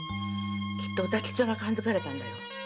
きっと歌吉さんが感づかれたんだよ。